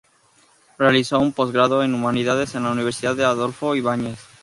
Realizó un posgrado en Humanidades en la Universidad Adolfo Ibáñez.